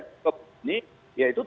ini yaitu tujuan